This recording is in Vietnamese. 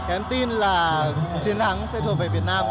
cái em tin là chiến thắng sẽ thuộc về việt nam